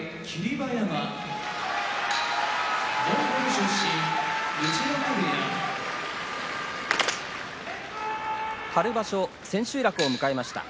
馬山モンゴル出身陸奥部屋春場所千秋楽を迎えました。